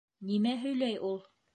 Нимә һөйләй ул?